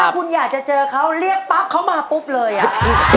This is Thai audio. คุณอยากจะเจอเขาเรียกปั๊บเขามาปุ๊บเลยอ่ะ